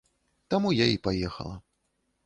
Таму я і паехала.